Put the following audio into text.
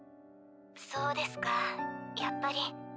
そうですかやっぱり。